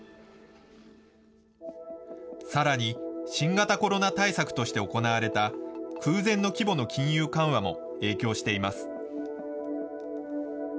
さらに、新型コロナ対策として行われた空前の規模の金融緩和も影響しています。